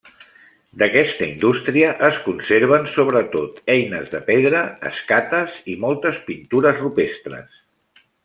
D'aquesta indústria es conserven sobretot eines de pedra, escates i moltes pintures rupestres.